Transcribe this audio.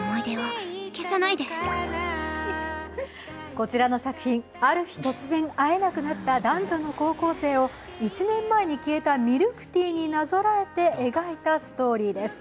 こちらの作品、ある日突然会えなくなった男女の高校生を１年前に消えたミルクティーになぞらえて描いたストーリーです。